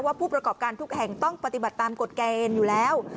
ผู้ประกอบการทุกแห่งต้องปฏิบัติตามกฎเกณฑ์อยู่แล้ว